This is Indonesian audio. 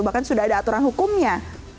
bahkan sudah ada aturan hukumnya